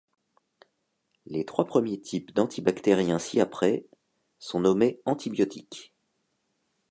Les trois premiers types d'antibactériens ci-après sont nommés antibiotiques.